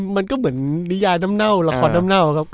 มันก็เหมือนนิยาน้ำเน่าละครน้ำเน่าครับ